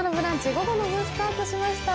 午後の部スタートしました。